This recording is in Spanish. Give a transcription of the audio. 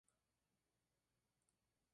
Usa habitualmente bajos de la marca "Fender".